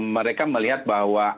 mereka melihat bahwa